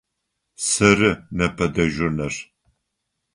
Сэры непэ дежурнэр.